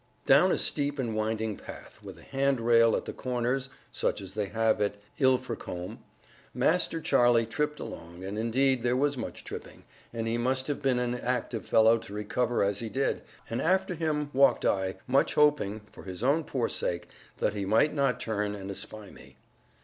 Down a steep and winding path, with a hand rail at the corners (such as they have at Ilfracombe), Master Charlie tripped along and indeed there was much tripping, and he must have been an active fellow to recover as he did and after him walked I, much hoping (for his own poor sake) that he might not turn and espy me.